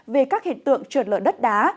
về các hiện tượng trượt lở đất đá